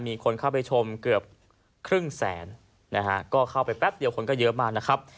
มีคนเข้าไปชมเกือบครึ่งแสนนะฮะก็เข้าไปแป๊บเดียวคนก็เยอะมากนะครับ